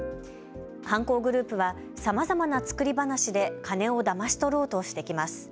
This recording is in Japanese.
犯行グループはさまざまな作り話で金をだまし取ろうとしてきます。